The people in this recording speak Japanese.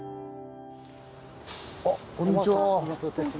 あっこんにちは。